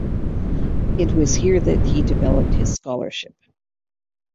It was here that he developed his scholarship.